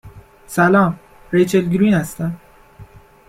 سلام . ریچل گرین هستم